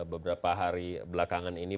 beberapa hari belakangan ini